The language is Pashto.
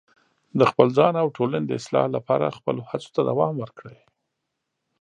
د خپل ځان او ټولنې د اصلاح لپاره خپلو هڅو ته دوام ورکړئ.